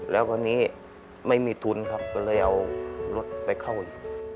แล้วคราวนี้ไม่มีทุนครับก็เลยเอารถไปเข้าอีก